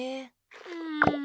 うん。